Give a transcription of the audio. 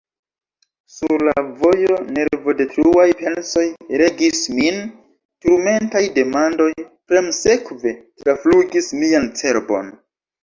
Sur la vojo nervodetruaj pensoj regis min; turmentaj demandoj premsekve traflugis mian cerbon.